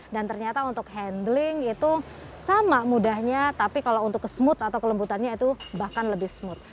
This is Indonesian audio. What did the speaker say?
dan ternyata untuk handling itu sama mudahnya tapi kalau untuk ke smooth atau kelembutannya itu bahkan lebih smooth